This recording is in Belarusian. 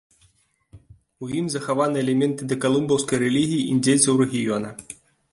У ім захаваны элементы дакалумбаўскай рэлігіі індзейцаў рэгіёна.